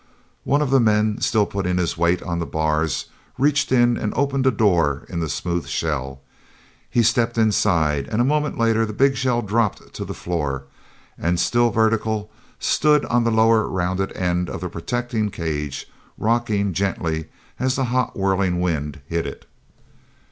One of the men, still putting his weight on the bars, reached in and opened a door in the smooth shell. He stepped inside, and a moment later the big shell dropped to the floor and, still vertical, stood on the lower rounded end of the protecting cage, rocking gently as the hot whirling wind hit it.